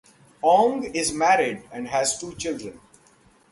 Aung is married and has two children.